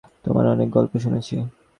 তোমার অনেক গল্প শুনেছি।